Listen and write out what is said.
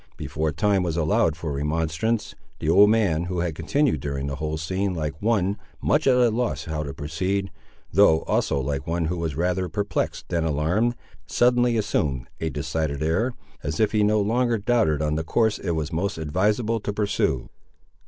Before time was allowed for remonstrance, the old man, who had continued during the whole scene like one much at a loss how to proceed, though also like one who was rather perplexed than alarmed, suddenly assumed a decided air, as if he no longer doubted on the course it was most advisable to pursue.